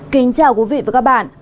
kính chào quý vị và các bạn